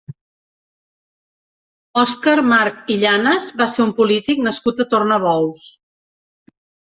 Òscar March i Llanes va ser un polític nascut a Tornabous.